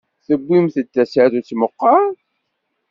Tewwimt-d tasarut meqqar?